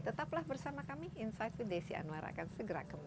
tetaplah bersama kami insight with desi anwar akan segera kembali